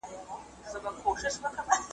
که پر مځکه ګرځېدل که په هوا وه .